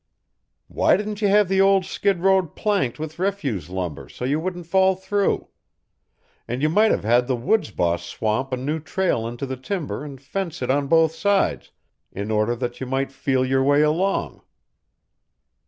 "Why didn't you have the old skid road planked with refuse lumber so you wouldn't fall through? And you might have had the woods boss swamp a new trail into the timber and fence it on both sides, in order that you might feel your way along."